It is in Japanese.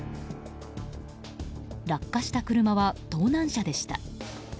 落下した車は盗難車でした。